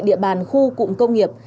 địa bàn khu cụm công nghiệp